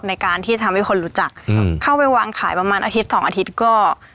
ในการที่จะทำให้คนรู้จักอืมเข้าไปวางขายประมาณอาทิตย์สองอาทิตย์ก็